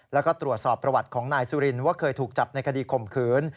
แล้วก็ตรวจสอบประวัติของนายสุรินว่าเคยถูกจับในคดีข่มขืน